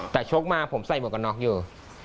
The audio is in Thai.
แต่ชกมาผมใส่หมวกกันน็อกอยู่